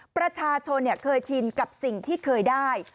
ประชาชนเคยชินกับสิ่งที่เคยได้